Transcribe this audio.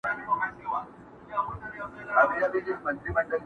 انساني حقونه تر پښو للاندي کيږي،